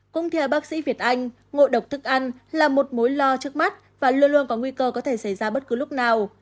cũng theo bác sĩ việt anh ngộ độc thức ăn là một mối lo trước mắt và luôn luôn có nguy cơ có thể xảy ra bất cứ lúc nào